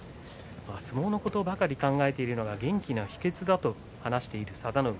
相撲のことばかり考えているのが元気な秘けつと話している佐田の海。